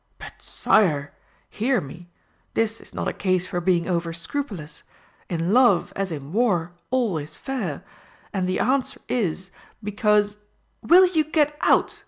"But, sire, hear me! This is not a case for being over scrupulous. In love, as in war, all is fair. And the answer is 'Because '" "Will you get out?"